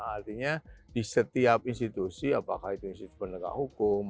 artinya di setiap institusi apakah itu institusi penegak hukum